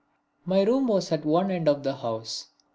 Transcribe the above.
My room was at one end of the house.